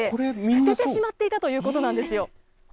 捨ててしまっていたということなんですよ。